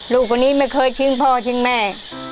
ลูกคนนี้ไม่เคยทิ้งพ่อทิ้งแม่